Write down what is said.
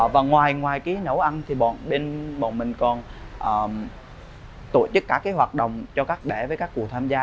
và ngoài ngoài cái nấu ăn thì bọn mình còn tổ chức cả cái hoạt động cho các đẻ với các cụ tham gia